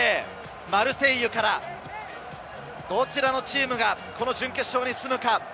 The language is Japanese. マルセイユからどちらのチームが準決勝に進むか？